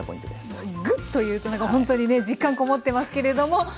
グッというとなんかほんとにね実感籠もってますけれども。